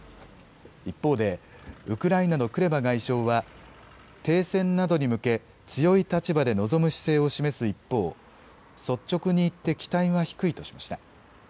一方でウクライナのクレバ外相は停戦などに向け強い立場で臨む姿勢を示す一方、率直に言って期待は低いとしました。